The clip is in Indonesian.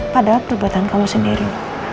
padahal perubatan kamu sendiri